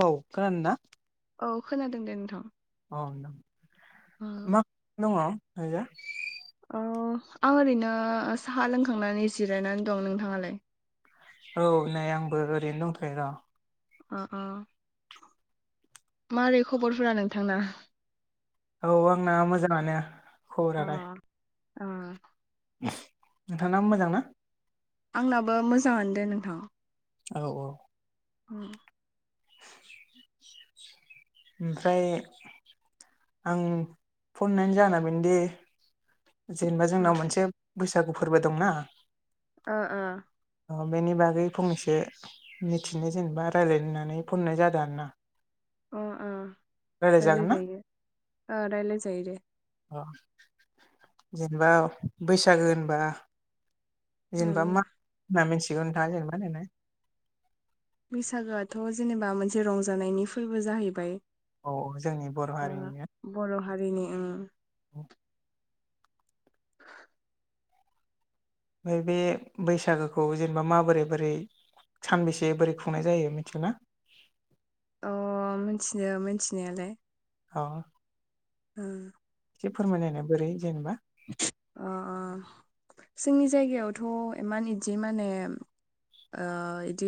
औ खोनादों ना? औ खोनादों दे नोंथां। औ ओ नोंथां। मा [unintelligible] दङ दायो? औ आं ओरैनो साहा लोंखांनानै जिरायनानै दं। नोंथाङालाय? औ नै आंबो ओरैनो दंथ' र'। ओ ओ। मारै खबरफोरा नोंथांना? औ आंना मोजाङानो खबरालाय। ओ [inaudible] नोंथांनाबो मोजां ना? आंनाबो मोजाङानो दे नोंथां। औ औ। [inaudible] [inaudible] ओमफ्राय आं फन हरनायनि जाहोना बेनोदि जेनेबा ओ जोंनाव मोनसे बैसागु फोरबो दंना ओ ओ। औ बेनि बागै फंनैसो मिथिनो जेनेबा रायलायनो होननानै फन हरनाय जादों आरोना। अ अ रायलायजागोन रायलाय ना जायो, ओ रायलाय जायो दे। ओ। जेनेबा बैसागो होनबा जेनेबा उम मा होना मिथिगौ नोथाङा जेनेबा देनाय बैसागोआथ' जेनेबा मोनसे रंजानायनि फोरबो जाहैबाय। औ औ जोंनि बर' ओ हारिनिनो। बर' हारिनि ओं। [inaudible] नै बे बैसागोखौ जेनेबा माबोरै बोरै सानबेसे बोरै खुंनाय जायो मिथिगौना? अ मिथियो मिथिनायालाय। अ। ओ। एसे फोरमायनायनाय बोरै जेनेबा अ जोंनि जायगायावथ' इमान इदि माने ओ इदि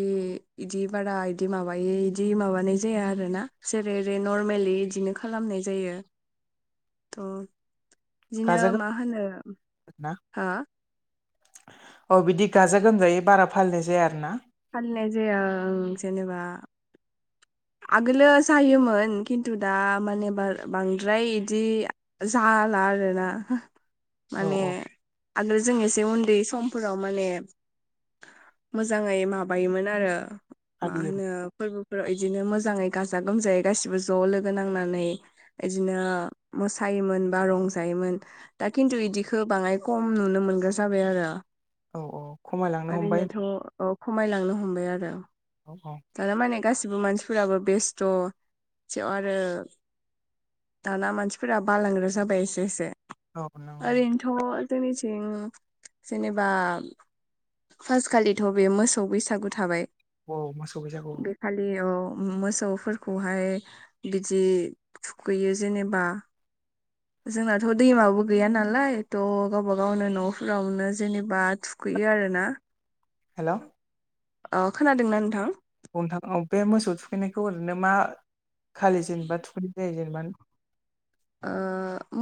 इदि बारा इदि माबायै इदि माबानाय जाया आरोना। जेरै एरै नरमलि इदिनो खालामनाय जायो। ओम, बिदिनो मा होनो ना? हा? औ बिदि गाजा गोमजायै बारा फालिनाय जाया आरो ना? फालिनाय जाया ओं ओं जेनेबा आगोलो जायोमोन खिन्थु दा माने बा-बांद्राय इदि जाला आरोना औ माने औ आगोल जों एसे उन्दै समफोराव माने मोजाङै माबायोमोन आरो मा फालियो होनो फोरबोफोराव बिदिनो मोजाङै गाजा गोमजायै गासिबो ज' लोगो नांनानै इदिनो मोसायोमोन बा रंजायोमोन। दा खिन्थु इदिखौ बाङाय खम नुनो मोनग्रा जाबाय आरो। औ औ खमायलांनो हमबाय ओरैनोथ' खमायलांनो हमबाय आरो। अ औ दाना माने गासिबो मानसिफोराबो बेस्थ' सेव आरो दाना मानसिफोरा बालांग्रो जाबाय एसे एसे औ नंगौ ओरैनो थ' जोंनिथिं जेनेबा फार्स्टखालिथ' बे मोसौ बैसागु थाबाय। औ मोसौ बेैसागो। फालियाव मोसौफोरखौहाय बिदि थुखैयो जेनेबा जोंनाथ' दैमाबो गैया नालाय थ' गावबा गावनो न'फोरावनो जेनेबा थुखैयो आरो ना। हेल' अ खोनादोंना नोंथां? [unintelligible] बे मोसौ थुखैनायखौ ओरैनो मा खालि जेनेबा थुखैनाय जायो जेनेबा?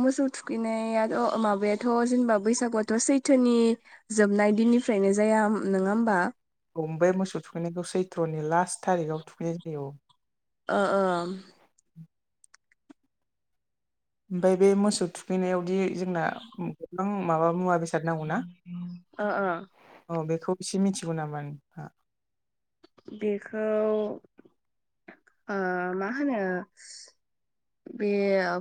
मोसौ थुखैनायाथ' माबायाथ' जेनेबा बैसागुआथ' सैथोनि जोबनाय दिननिफ्रायनो जाया नोङा होमबा? औ ओमफ्राय मोसौ थुखैनायखौ सैथ्र'नि लास्ट थारिखआव थुखैनाय जायो औ। ओ ओ ओमफ्राय बे मोसौ थुखैनायावदि जोंना गोबां माबा मुवा बेसे फ- सारनांगौ ना ओ ओ औ बेखौ एसे मिथिगौ नामा नोंहा? बेखौ मा होनो बे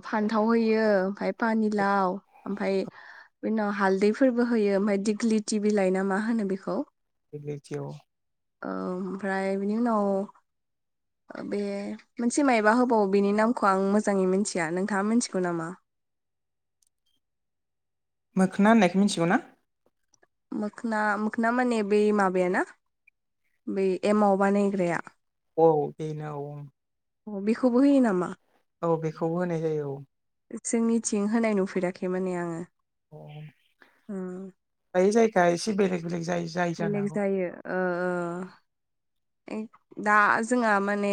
फान्थाव होयो ओमफ्राय पानिलाव ओमफ्राय बे उनाव हालदैफोरबो होयो ओमफ्राय दिग्लि टि बिलाइ ना मा होनो बेखौ। बेैख औ औ ओमफ्राय बिनि उनाव बे मोनसे मबा होबावो बेनि नामखौ आं मोजाङै मिथिया नोंथाङा मिथिगौ नामा? मोखोना होन्नायखौ मिन्थिगौ ना? मोखना मोखना मे बे माबाया ना? ब एमाव बानायग्राया। औ बेनो औ। अ बिखौ बहि नामा? औ बेखौबो होनाय जायो औ। जोंनिथिं होनाय नुफेराखै माने आङो। अ उम दायो जायगा एसे बेलेग बेलेग जायो। जायो जानो बेलेग हागौ जायो। ओ ओ [inaudible] दा जोंहा माने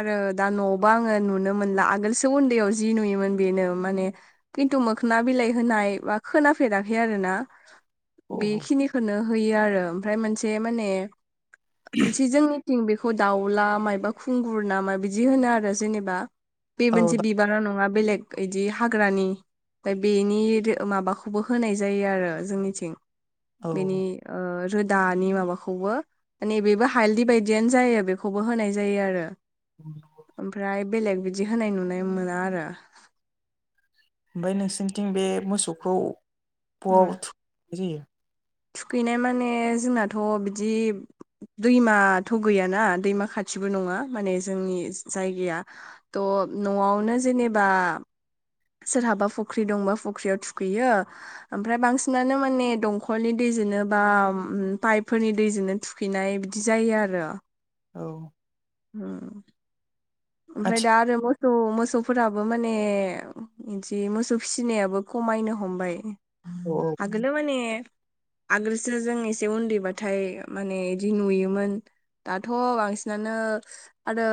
आरो दा न'आवबो आङो नुनो मोनला आगोलसो उन्दैयाव जि नुयोमोन बेनो माने खिन्थु मोखोना बिलाइ होनाय बा खोनाफेराखै आरो ना। औ बेखिनिखौनो होयो आरो ओमफ्राय मोनसे माने मोनसे जोंनि ज बेखौ दाउला मायबा खुंगुर नामा बिदि होनो आरो जेनेबा बे औ मोनसे -बारा नङा बेलेग इदि हाग्रानि बेनि माबाखौबो होनाय जायो आरो जोंनिथिं औ बेनि ओ रोदानि माबाखौबो माने बेबो हालदि बायदियानो जायो बेखौबो होनाय जायो आरो। [inaudible] ओमफ्राय बेलेग बिदि होनाय नुनाय मोना आरो। ओमफ्राय नोंसोरनिथिं बे मोसौखौ उम बआव थु- जायो? थुखैनाय माने जोंनाथ' बिदि दैमाथ' गैयाना दैमा खाथिबो नङा माने जोंनि जायगाया त' न'आवनो जेनेबा सोरहाबा फख्रि दंबा फख्रियाव थुखैयो। ओमफ्राय बांसिनानो माने दंखलनि दैजोंनो बा पाइपफोरनि दैजोंनो थुख- खैनाय बिदि जायो आरो औ उम ओमफ्राय दा आथिखाल आरो ब त मोसौफोराबो माने इदि मोसौ फिनायाबो खमायनो हमबाय अ औ आगोलो माने आगोलसो जों एसे उन्दैबाथाय माने इदि नुयोमोन दाथ' बांसिनानो आरो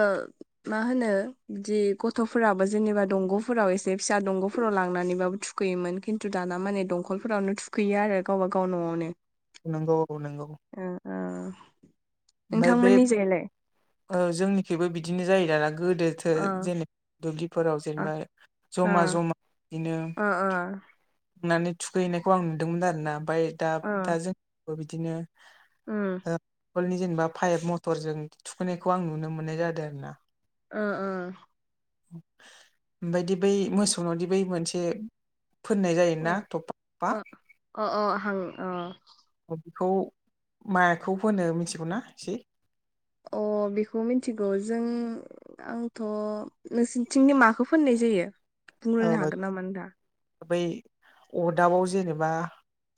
मा होनो बिदि गथ'फोराबो जेनेबा दंग'फोरा एसे फिसा दंग'फोराव लांनानैबाबो थु- खैयोमोन खिन्थु दाना माने दंखलफोरावनो थुखैयो आरो गावबागाव न'आवनो नोंगौ औ नोंगौ ओ ओ ओमफाय बे नोंथांमोननि जायलाय ओ जोंनिखिबो बिदिनो जायो दाना गोदोथो ओ जेने दुब्लिफोराव ओ जेनेबा जमा ओ जमा इनो ओ नानै थुखैहैनायखौ आं नुदोंमोन आरोना ओमफाय दा ओ दा जों बिदिनो उम खलनि जेनेबा पाइप मथरजों थुखैनायखौ आं नुनो मोननाय जादों आरो ना ओ ओ ओमफायदि बै मोसौनावदि बै मोनसे फोननाय ओ जायोना थ'फा थ'फा ओ अ अ हां अ अ बिखौ माखौ होनो मिथिगौना इसे अ बेखौ मिथिगौ जों आंथ' नोंसोरनिथिंनि माखौ फोननाय जायो बुंग्रोनो औ हागोन नामा नोदा बै अदाबाव जेनेबा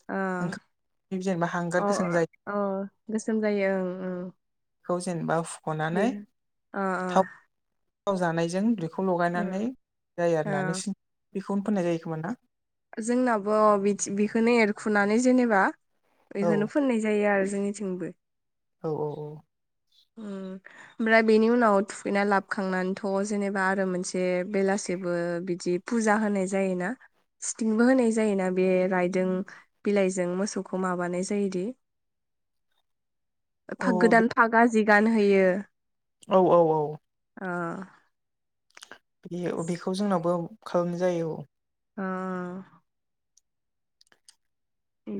आ ओंखाम जेनेबा हांगार अ गोसोम जायो अ गोसोम जायो ओं ओं खौ जेनेबा बे फुख'नानै अ अ थाव जानायजों खौ लगायनानै उम जायो अ आरोना नोंसिनि बेखौनो फोननाय जायोखोमा ना जोंनाबो बिदस बेखौनो एरखुनानै जेनेबा औ बेखौनो फोननाय जायो आरो जोंनि थिंबो औ औ औ [unintelligible] ओमफ्राय बेनि उनाव थुखैना लाबखांनानैथ' जेनेबा आरो मोनसे बेलासेबो बिदि फुजा होनाय जायोना स्थिंबो होनाय जायोना बे रायदों बिलाइजों मोसौखौ माबानाय जायोदि [inaudible] औ फाग बे- गोदान फागा जि गान होयो औ औ औ अ बे अ बेखौ जोंनावबो खालामनाय जायो औ अ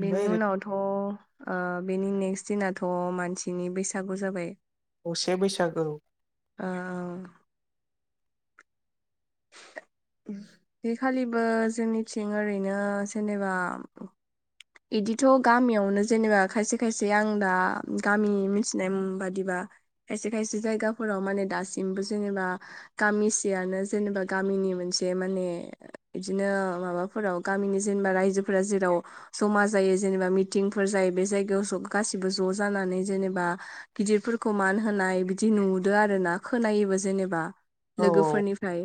बेनि उनावथ' आ बेनि नेक्स्ट दिनाथ' मानसिनि बैसागु जाबाय असे बैसागो औ ओ ओ उम बेखालिबो जोंनिथिं ओरैनो जेनेबा इदिथ' गामियावनो जेनेबा खायसे खायसे आं दा गामि मिथिनाय उम बादिबा खायसे खायसे जायगाफोराव माने दासिमबो जेनेबा गामिसेयानो जेनेबा गामिनि मोनसे माने इदिनो माबाफोराव गामिनि जेनबा रायजोफोरा जेराव जमा जायो जेनेबा मिटिंफोर जायो बे जायगायाव जब गासिबो ज' जानानै जेनेबा गिदिरफोरखौ मान होनाय बिदि नुदो आरो ना खोनायोबो जेनेबा औ औ लोगोफोरनिफ्राय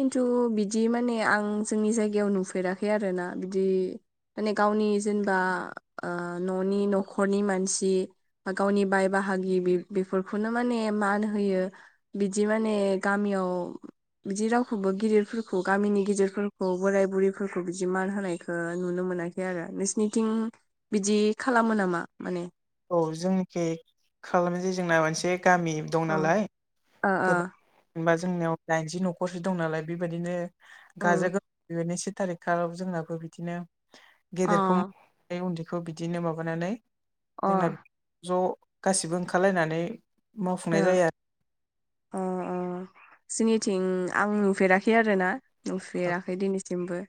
खिन्थु बिदि माने आं जोंनि जायगायाव नुफेराखै आरोना बिदि माने गावनि जेनबा ओ न'नि न'खरनि मानसि बा गावनि बाय बाहागि बि बेफोरखौनो माने मान होयो। बिदि माने गामियाव बिदि रावखौबो गिदिरफोरखौ गामिनि गिदिरफोरखौ बोराय बुरैफोरखौ बिदि मान होनायखो नुनो मोनाखै बे आरो नोंसिनिथिं बिदि खालामो नामा माने औ जोंनिखि खालामो जे जोंना मोनसे गामि दं अ ओ नालाय ओ गोबां ओम जेनबा जोंनियाव दाइनजि न'खरसो दं नालाय बेबायदिनो गाजा गोम बेनो से थारिख खालाराव जोंनाबो बिदिनो अ गेदेरखौ बे उन्दैखौ बिदिनो माबानानै जोंना अ ज' गासिबो ओंखारलायनानै मावफुंनाय जायो आ अ अ जिनिथिं आं नुफेराखै आरोना आरो नुफेराखै दिनैसिमबो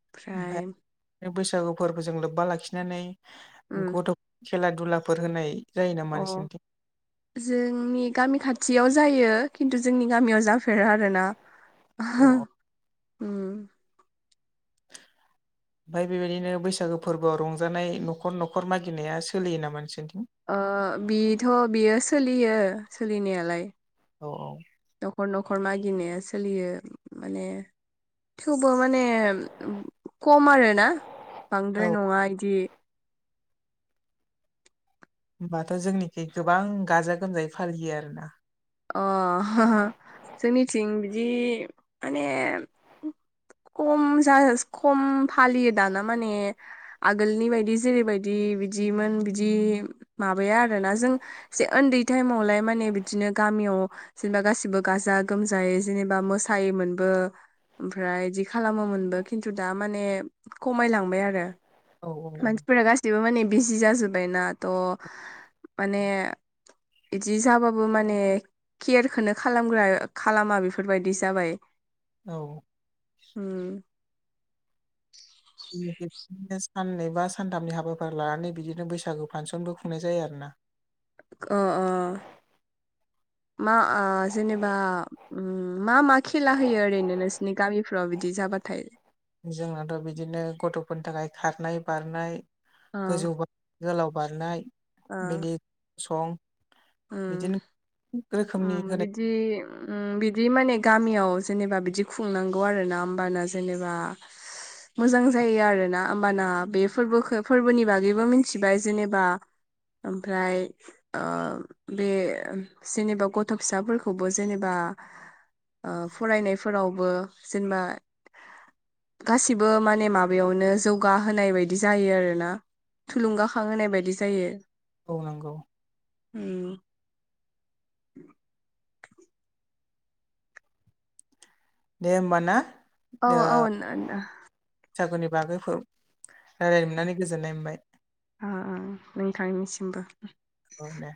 ओमफ्राय ओमफाय बैसागुबो जों लोब्बा लाखिनानै ओम गथ' खेला दुलाफोर होनाय जायो नामा अ नोंसिरनिथिं जोंनि गामि खाथियाव जायो खिन्थु जोंनि गामियाव जाफेरा आरोना ह अ उम ओमफाय बेबायदिनो बैसागो फोर्बोआव रंजानाय न'खर न'खर मागिनाया सोलियो नामा नोंसोरनिथिं ओ बिथ' बियो सोलियो सोलिनायालाय औ न'खर न'खर मागिनाया सोलियो माने थेवबो माने खम आरोना बांद्राय औ नङा इदि होनोमबाथ' जोंनिखि गोबां गाजा गोमजायै फालियो आरो ना अ ह ह जोंनिथिं बिदि माने खम जाज खम फालियो दाना माने आगोलनि बायदि जेरैबायदि बिदिमोन बिदि माबाया आरोना जों जे उन्दै टाइमावलाय माने बिदिनो गामियाव जेनबा गासिबो गाजा गोमजायै जेनेबा मोसायोमोनबो ओमफ्राय इदि खालामोमोनबो खिन्थु दा माने खमायलांबाय आरो औ मानसिफोरा गाससिबो माने बिजि जाजोब्बायना थ' माने बिदि जाबाबो माने केरखौनो खालामग्रा खालामा बेफोरबायदि जाबाय औ उम नो साननै बा सानथामनि हाबाफारि लानानै बिदिनो बैसागु फांसनबो खुंनाय जायो आरो ना अ अ मा आ जेनेबा उम मा मा खेला होयो ओरैनो नोंसोरनि गामिफ्राव बिदि जाबाथाय जोंनाथ' बिदिनो गथ'फोरनि थाखाय खारनाय बारनाय ओ गोजौ बा गोलाव बारनाय बिनि सं बिदिनो रोखोमनि होनाय जि बिदि उम उम बिदि माने गामियाव जेनेबा बिदि खुंनांगौ आरो ना होमबाना जेनेबा मोजां जायो आरोना होमबाना बे फोरबोखौ फोरबोनि बागैबो मिथिबाय जेनेबा ओमफ्राय ओ बे जेनेबा गथ' फिसाफोरखौबो जेनेबा ओ फरायनाय फोरावबो जेनेबा गासिबो माने माबायावनो जौगाहोनाय बायदि जायो आरोना थुलुंगाखां होनाय बायदि जायो। औ नंगौ। उम [inaudible] दे होमबा ना? औ औ नो नो सागुनि बागै फो-रायलायनो मोननानै गोजोननाय मोनबाय। आ आ नोंथांनिसिमबो। औ दे।